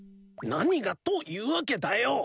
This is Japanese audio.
何が「というわけ」だよ。